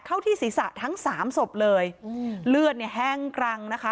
ที่ศีรษะทั้งสามศพเลยอืมเลือดเนี่ยแห้งกรังนะคะ